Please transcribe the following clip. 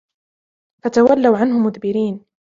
فتولوا عنه مدبرين